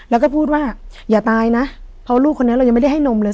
แล้วก็พูดว่าอย่าตายนะเพราะลูกคนนี้เรายังไม่ได้ให้นมเลย